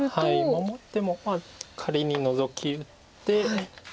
守っても仮にノゾキ打って。